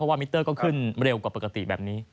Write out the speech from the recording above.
เพราะว่ามิเตอร์ก็ขึ้นเร็วกว่าปกติแบบนี้